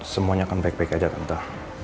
semuanya akan baik baik aja tante